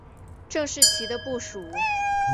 郑士琦的部属。